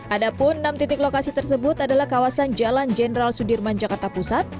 ada pun enam titik lokasi tersebut adalah kawasan jalan jenderal sudirman jakarta pusat